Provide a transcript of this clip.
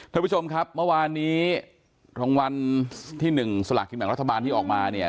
ท่านผู้ชมครับเมื่อวานนี้รางวัลที่๑สลากกินแบ่งรัฐบาลที่ออกมาเนี่ย